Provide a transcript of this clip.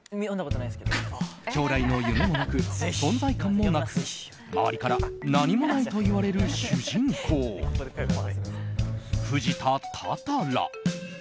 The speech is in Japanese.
将来の夢もなく存在感もなく周りから何もないといわれる主人公、富士田多々良。